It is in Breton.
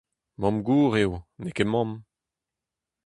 Mamm-gozh eo, n'eo ket mamm !